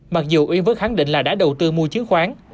mặc dù uyển vẫn khẳng định là đã đầu tư mua chứng khoán